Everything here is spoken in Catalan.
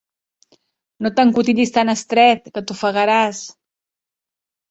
No t'encotillis tan estret, que t'ofegaràs!